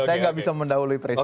saya nggak bisa mendahului presiden